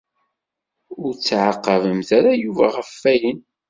Ur ttɛaqabemt ara Yuba ɣef ayen.